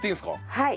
はい。